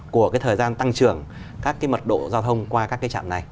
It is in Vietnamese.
của cái thời gian tăng trưởng các cái mật độ giao thông qua các cái trạm này